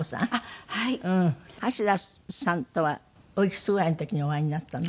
橋田さんとはおいくつぐらいの時にお会いになったの？